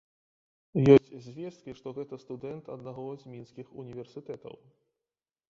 Ёсць звесткі, што гэта студэнт аднаго з мінскіх універсітэтаў.